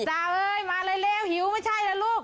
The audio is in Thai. จ้าเฮ้ยมาเลยเร็วหิวไม่ใช่นะลูก